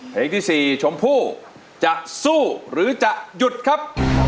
เพลงที่๔ชมพู่จะสู้หรือจะหยุดครับ